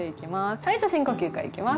はいじゃ深呼吸からいきます。